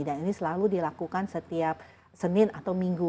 dan ini selalu dilakukan setiap senin atau minggu